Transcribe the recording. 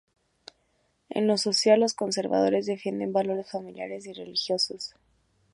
En lo social, los conservadores defienden valores familiares y religiosos.